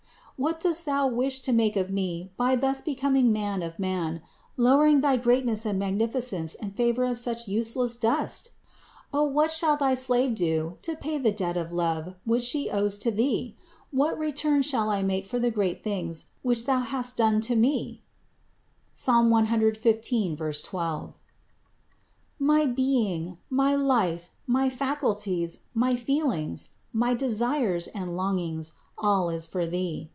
What dost Thou wish to make of me by thus becoming man of man, lowering thy greatness and magnificence in favor of such useless dust? O what shall thy slave do to pay the debt of love which she owes to Thee ? What return shall I make for the great things which thou hast done to me (Ps. 115, 12) ? My being, my life, my faculties, my feelings, my desires and long ings, all is for Thee.